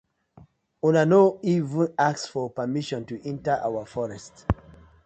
Una no even ask for permission to enter our forest.